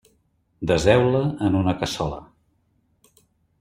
Deseu-la en una cassola.